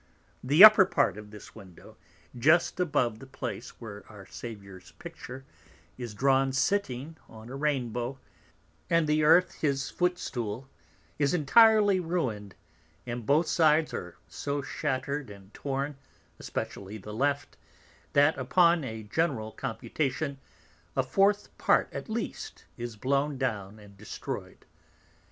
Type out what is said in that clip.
The upper part of this Window, just above the place where our Saviour's Picture is drawn sitting on a Rainbow, and the Earth his Foot stool, is entirely ruin'd, and both sides are so shatter'd and torn, especially the left, that upon a general Computation, a fourth part, at least, is blown down and destroy'd.